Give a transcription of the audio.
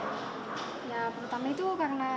pertama kali menemukan sulit sulit banget